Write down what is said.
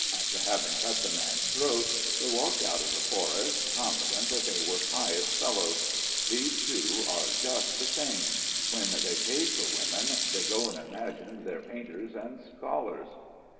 After having cut the man's throat they walked out of the forest confident that they were pious fellows. These two are just the same. When they've paid for women they go and imagine they're painters and scholars....